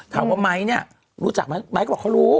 ถามว่าไหมรู้จักไหมแม้ก็บอกเค้ารู้